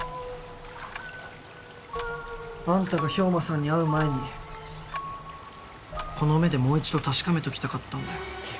あんたが兵馬さんに会う前にこの目でもう一度確かめときたかったんだよ。